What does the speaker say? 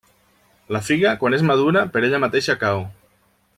La figa, quan és madura, per ella mateixa cau.